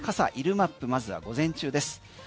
マップまずは午前中です。